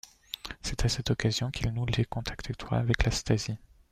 C'est à cette occasion qu'il noue des contacts étroits avec la Stasi.